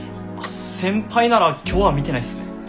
先輩なら今日は見てないっすね。